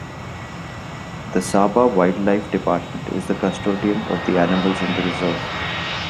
The Sabah Wildlife Department is the custodian of the animals in the reserve.